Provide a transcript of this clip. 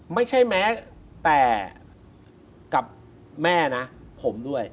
ไม่ใช่แม้แต่กับแม่นะผมด้วย